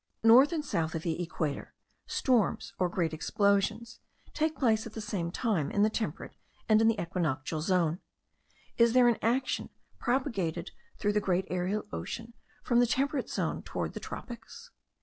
North and south of the equator, storms or great explosions take place at the same time in the temperate and in the equinoctial zone. Is there an action propagated through the great aerial ocean from the temperate zone towards the tropics?